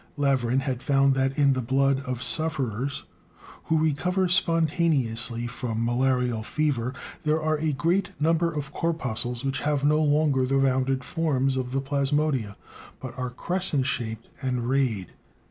Laveran had found that in the blood of sufferers who recover spontaneously from malarial fever there are a great number of corpuscles which have no longer the rounded forms of the plasmodia, but are crescent shaped and rayed.